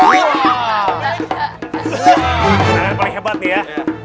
pembelajaran paling hebat nih ya